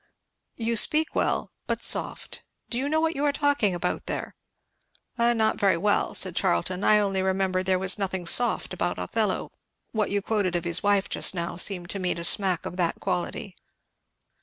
"You speak well, but soft! do you know what you are talking about there?" "Not very well," said Charlton. "I only remember there was nothing soft about Othello, what you quoted of his wife just now seemed to me to smack of that quality."